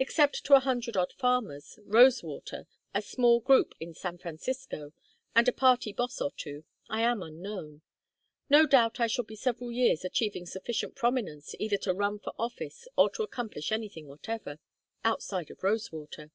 Except to a hundred odd farmers, Rosewater, a small group in San Francisco, and a party boss or two, I am unknown. No doubt I shall be several years achieving sufficient prominence either to run for office, or to accomplish anything whatever outside of Rosewater.